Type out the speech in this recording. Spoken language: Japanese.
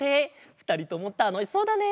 ふたりともたのしそうだね！